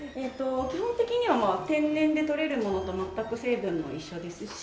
基本的には天然で採れるものと全く成分も一緒ですし。